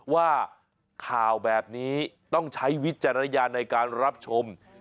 ว่าข่าวแบบนี้ต้องใช้วิจารณญาณในการรับชม